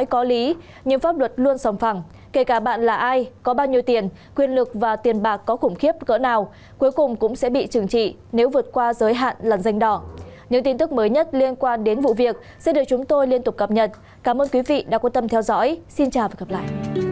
cảm ơn quý vị đã quan tâm theo dõi xin chào và hẹn gặp lại